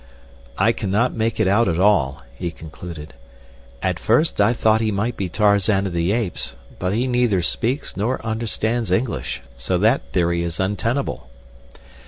"I cannot make it out at all," he concluded. "At first I thought he might be Tarzan of the Apes; but he neither speaks nor understands English, so that theory is untenable."